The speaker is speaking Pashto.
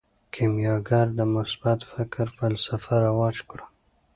کیمیاګر د مثبت فکر فلسفه رواج کړه.